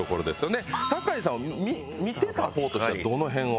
酒井さん見てた方としてはどの辺を。